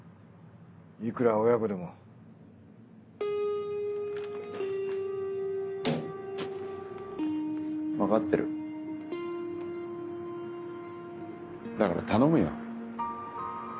いくら親子でも分かってるだから頼むよ